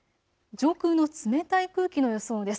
上空の冷たい空気の予想です。